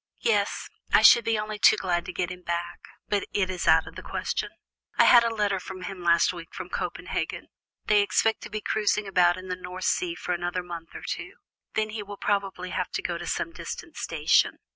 Yes, I should be only too glad to get him back, but it is out of the question. I had a letter from him last week from Copenhagen; they expect to be cruising about in the North Sea for another month or two; then he will probably have to go to some distant station."